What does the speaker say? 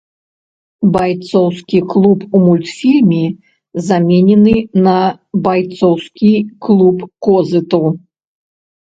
Байцоўскі клуб у мультфільме заменены на байцоўскі клуб козыту.